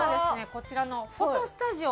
こちらのフォトスタジオ